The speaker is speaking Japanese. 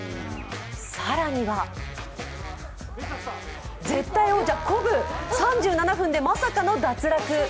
更には絶対王者、コブ、３７分でまさかの脱落。